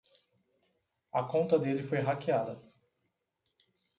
A conta dele foi hackeada.